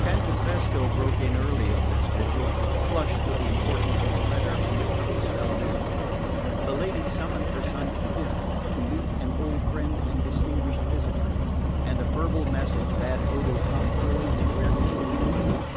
Cantapresto broke in early on this vigil, flushed with the importance of a letter from the Countess Valdu. The lady summoned her son to dinner, "to meet an old friend and distinguished visitor"; and a verbal message bade Odo come early and wear his new uniform.